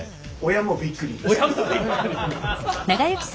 親もびっくり。